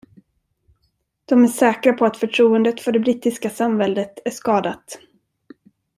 De är säkra på att förtroendet för den brittiska samväldet är skadat.